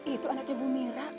itu anaknya bu mira